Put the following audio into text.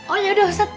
oh ya sudah ustad